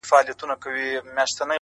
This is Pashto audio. د زړه له درده درته وايمه دا ـ